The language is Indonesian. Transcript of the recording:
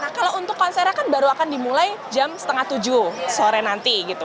nah kalau untuk konsernya kan baru akan dimulai jam setengah tujuh sore nanti gitu